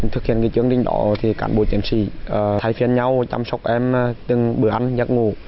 thực hiện chương trình đó thì cán bộ chiến sĩ thay phiên nhau chăm sóc em từng bữa ăn giấc ngủ